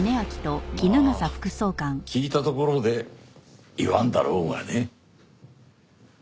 まあ聞いたところで言わんだろうがね。